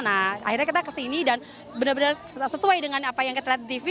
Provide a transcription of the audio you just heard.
nah akhirnya kita kesini dan benar benar sesuai dengan apa yang kita lihat di tv